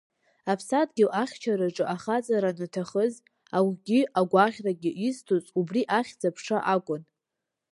Аԥсадгьыл ахьчараҿы ахаҵара анаҭахыз, агәгьы агәаӷьрагьы изҭоз убри ахьӡ-аԥша акәын.